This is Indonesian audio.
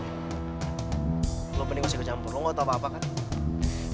lo g xiaoken perlu ikut campur lo gak tau apa apa kan ya